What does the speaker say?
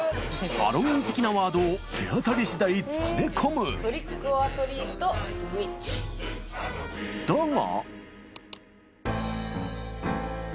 ハロウィーン的なワードを手当たり次第詰め込むだが